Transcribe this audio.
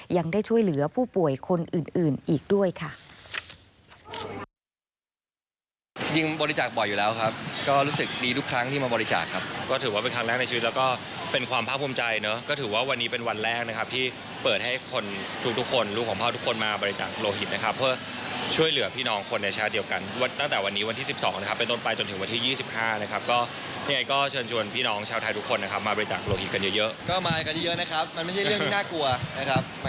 ยังได้ช่วยเหลือผู้ป่วยคนอื่นอีกด้วยค่ะ